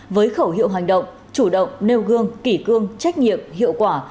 với khẩu hiệu hành động chủ động nêu gương kỷ cương trách nhiệm hiệu quả